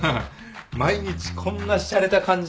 毎日こんなしゃれた感じ。